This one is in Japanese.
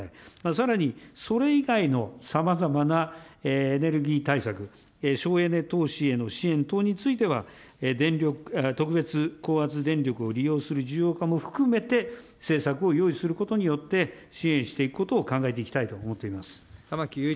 さらに、それ以外のさまざまなエネルギー対策、省エネ投資への支援等については、電力、特別高圧電力を利用する需要家も含めて政策を用意することによって、支援していくことを考えていきたいと思っています。